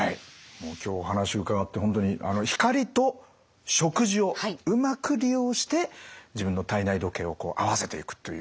もう今日お話伺って本当に光と食事をうまく利用して自分の体内時計を合わせていくという。